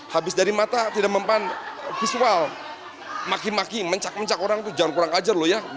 habis dari mata tidak mempan visual maki maki mencak mencak orang itu jangan kurang kajar loh ya